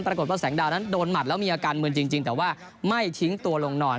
ปรากฏว่าแสงดาวนั้นโดนหมัดแล้วมีอาการมืนจริงแต่ว่าไม่ทิ้งตัวลงนอน